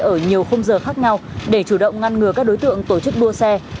ở nhiều khung giờ khác nhau để chủ động ngăn ngừa các đối tượng tổ chức đua xe